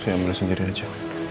saya ambil sendiri aja